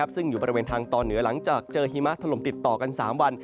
ซึ่งอยู่บริเวณทางตอนเหนือหลังจากเจอหิมะถล่มติดต่อกัน๓วัน